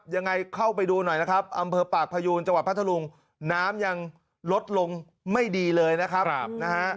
ยังไงเข้าไปดูหน่อยนะครับอำเภอปากพยูนจังหวัดพัทธรุงน้ำยังลดลงไม่ดีเลยนะครับนะฮะ